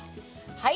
はい。